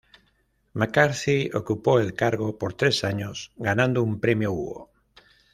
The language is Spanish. McCarthy ocupó el cargo por tres años, ganando un Premio Hugo.